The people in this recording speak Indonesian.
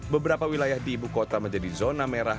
beberapa wilayah di ibu kota menjadi zona merah